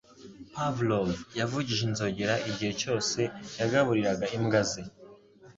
Pavlov yavugije inzogera igihe cyose yagaburiraga imbwa ze.